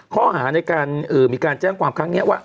ข้อหาในการมีการแจ้งความครั้งนี้ว่า